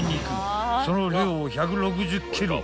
［その量１６０ｋｇ］